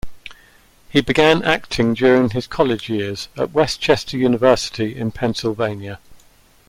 He began acting during his college years at West Chester University, in Pennsylvania.